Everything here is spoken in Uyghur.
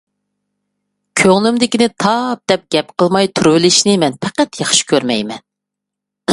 كۆڭلۈمدىكىنى تاپ، دەپ گەپ قىلماي تۇرۇۋېلىشنى مەن پەقەت ياخشى كۆرمەيمەن.